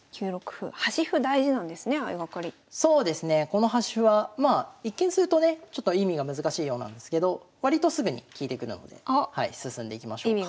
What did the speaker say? この端歩はまあ一見するとねちょっと意味が難しいようなんですけど割とすぐに利いてくるので進んでいきましょうか。